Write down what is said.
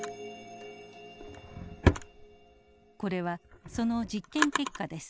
これはその実験結果です。